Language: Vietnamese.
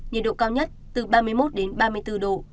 nhiệt độ cao nhất từ ba mươi một đến ba mươi bốn độ